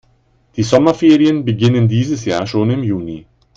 Die Sommerferien beginnen dieses Jahr schon im Juni.